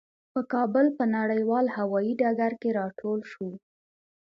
په کابل په نړیوال هوايي ډګر کې راټول شوو.